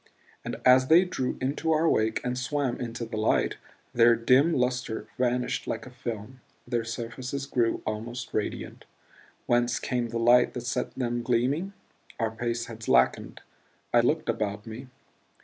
And as they drew into our wake and swam into the light, their dim lustre vanished like a film; their surfaces grew almost radiant. Whence came the light that set them gleaming? Our pace had slackened I looked about me.